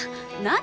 何？